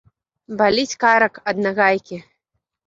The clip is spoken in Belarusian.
Баліць карак ад нагайкі.